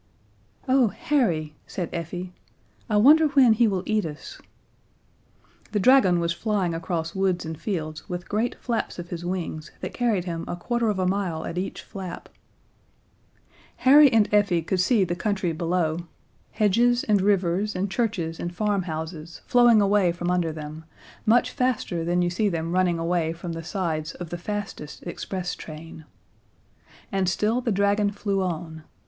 "Oh, Harry," said Effie, "I wonder when he will eat us!" The dragon was flying across woods and fields with great flaps of his wings that carried him a quarter of a mile at each flap. [Illustration: "He rose into the air, rattling like a third class carriage." See page 50.] Harry and Effie could see the country below, hedges and rivers and churches and farmhouses flowing away from under them, much faster than you see them running away from the sides of the fastest express train. And still the dragon flew on.